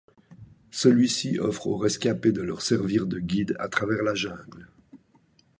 Celui-ci offre aux rescapés de leur servir de guide à travers la jungle.